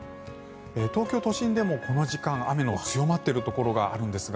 東京都心でもこの時間雨が強まっているところがあるんですが。